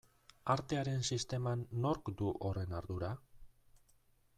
Artearen sisteman nork du horren ardura?